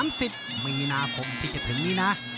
๑๐มีนาคมที่จะถึงนี้นะ